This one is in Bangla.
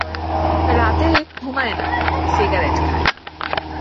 রাতে ঘুমায় না, সিগারেট খায়।